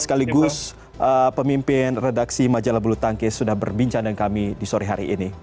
sekaligus pemimpin redaksi majalah bulu tangkis sudah berbincang dengan kami di sore hari ini